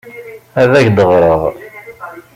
Ad ak-d-ɣreɣ.